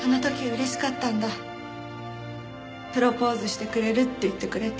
プロポーズしてくれるって言ってくれて。